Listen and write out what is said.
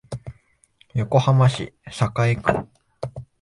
横浜市栄区